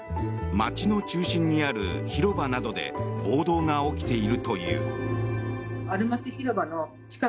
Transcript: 街の中心にある広場などで暴動が起きている。